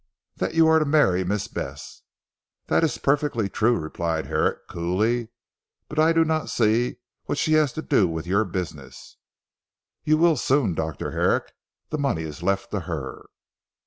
"That you are to marry Miss Bess." "That is perfectly true," replied Herrick coolly, "but I do not see what she has to do with your business." "You will soon Dr. Herrick. The money is left to her."